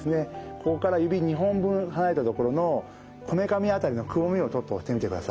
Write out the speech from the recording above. ここから指２本分離れたところのこめかみ辺りのくぼみをちょっと押してみてください。